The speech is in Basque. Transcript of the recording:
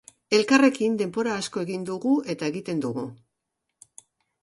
Elkarrekin denbora asko egin dugu eta egiten dugu.